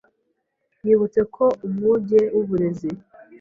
yibutse ko umwuge w’Uburezi